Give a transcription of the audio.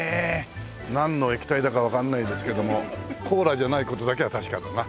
なんの液体だかわかんないですけどもコーラじゃない事だけは確かだな。